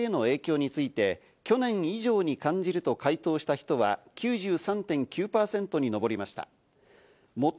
物価高による家計への影響について、去年以上に感じると回答した人は９３．９％に上りました。